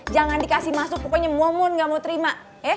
jangan dikasih masuk pokoknya momen gak mau terima